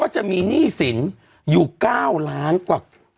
หรอหรอหรอหรอหรอหรอ